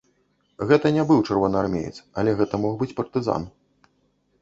Гэта не быў чырвонаармеец, але гэта мог быць партызан.